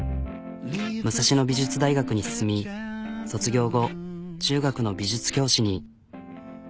武蔵野美術大学に進み卒業後中学の美術教師に。